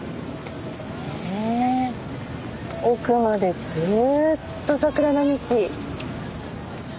ええ奥までずっと桜並木。